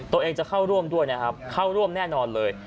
ตัวเองจะเข้าร่วมด้วยนะครับเข้าร่วมแน่นอนเลย